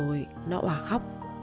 rồi nó hòa khóc